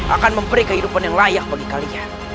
akan memberi kehidupan yang layak bagi kalian